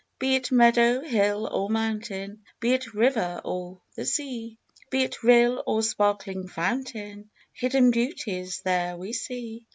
Be it meadow, hill or mountain, Be it river or the sea, Be it rill or sparkling fountain, Hidden beauties there we see.